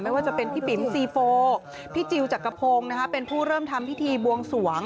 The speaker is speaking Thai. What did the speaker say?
ว่าจะเป็นพี่ปิ๋มซีโฟพี่จิลจักรพงศ์เป็นผู้เริ่มทำพิธีบวงสวง